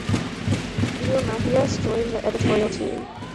Leo Matthias joined the editorial team.